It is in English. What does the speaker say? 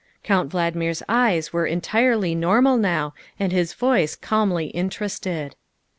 Count Valdmir 's eyes were entirely normal now and his voice calmly interested.